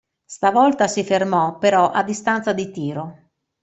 Stavolta si fermò però a distanza di tiro.